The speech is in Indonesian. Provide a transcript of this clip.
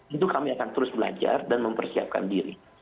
tentu kami akan terus belajar dan mempersiapkan diri